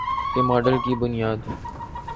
کے ماڈل کی بنیاد